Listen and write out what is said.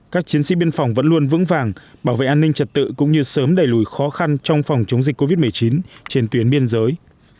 các chiến sĩ biên phòng vẫn luôn vững vàng bảo vệ an ninh trật tự cũng như sớm đẩy lùi khó khăn trong phòng chống dịch covid một mươi chín trên tuyến biên giới